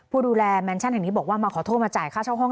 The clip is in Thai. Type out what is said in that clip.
ผู้ดูแลแมนชั่นแห่งนี้บอกว่ามาขอโทษมาจ่ายค่าเช่าห้อง